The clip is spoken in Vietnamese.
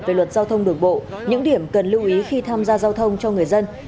về luật giao thông đường bộ những điểm cần lưu ý khi tham gia giao thông cho người dân